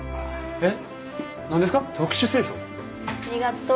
えっ！